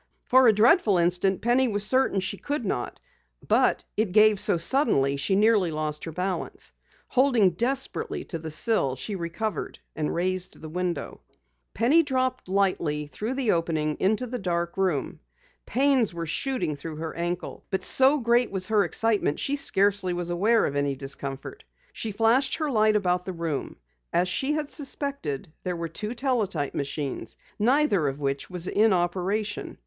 For a dreadful instant, Penny was certain she could not. But it gave so suddenly she nearly lost her balance. Holding desperately to the sill, she recovered, and raised the window. Penny dropped lightly through the opening into the dark room. Pains were shooting through her ankle, but so great was her excitement she scarcely was aware of any discomfort. She flashed her light about the room. As she had suspected, there were two teletype machines, neither of which was in operation.